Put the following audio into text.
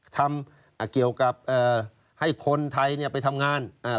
ทำเกี่ยวกับให้คนไทยไปทำงาน